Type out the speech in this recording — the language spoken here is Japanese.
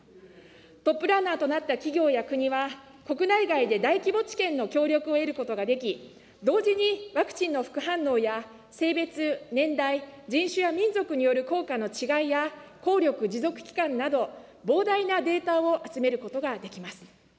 トップランナーとなった企業や国は、国内外で大規模治験の協力を得ることができ、同時にワクチンの副反応や、性別、年代、人種や民族による効果の違いや、効力持続期間など、膨大なデータを集めることができます。